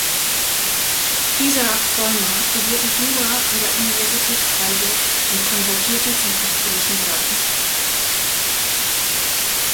Isaak Volmar studierte Jura an der Universität Freiburg und konvertierte zum katholischen Glauben.